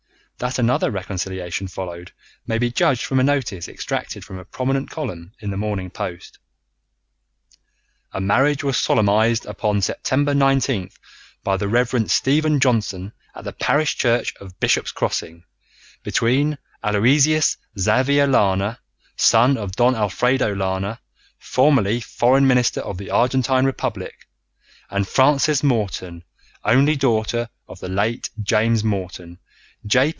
That another reconciliation followed may be judged from a notice extracted from a prominent column in the Morning Post: "A marriage was solemnized upon September 19th, by the Rev. Stephen Johnson, at the parish church of Bishop's Crossing, between Aloysius Xavier Lana, son of Don Alfredo Lana, formerly Foreign Minister of the Argentine Republic, and Frances Morton, only daughter of the late James Morton, J.